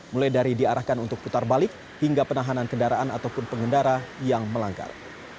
mulai dari diarahkan untuk putar balik hingga penahanan kendaraan ataupun pengendara yang melanggar